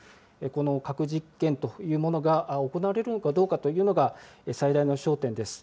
この核実験というものが、行われるのかどうかというのが、最大の焦点です。